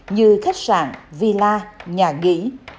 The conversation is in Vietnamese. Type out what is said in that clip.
như khách sạn villa nhà nghỉ